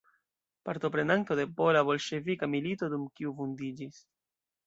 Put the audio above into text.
Partoprenanto de pola-bolŝevika milito dum kiu vundiĝis.